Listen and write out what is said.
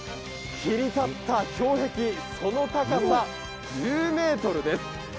切り立った氷壁、その高さ１０ｍです。